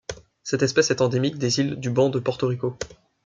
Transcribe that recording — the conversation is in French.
Cette espèce est endémique des îles du banc de Porto Rico.